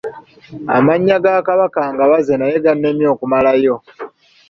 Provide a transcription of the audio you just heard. Amannya ga Kabaka ngabaze naye gannemye okumalayo!